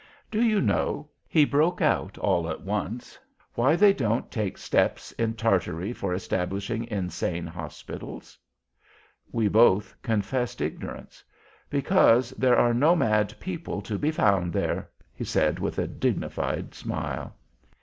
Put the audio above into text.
"Do you know"—he broke out all at once—"why they don't take steppes in Tartary for establishing Insane Hospitals?" We both confessed ignorance. "Because there are nomad people to be found there," he said, with a dignified smile.